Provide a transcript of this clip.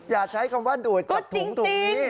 อย่าใช้คำว่าดูดกับถุงถุงนี้